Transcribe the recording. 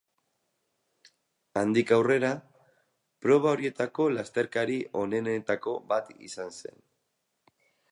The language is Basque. Handik aurrera, proba horietako lasterkari onenetako bat izan zen.